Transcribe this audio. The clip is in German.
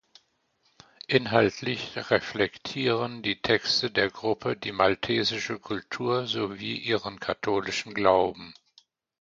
Inhaltlich reflektieren die Texte der Gruppe die maltesische Kultur sowie ihren katholischen Glauben.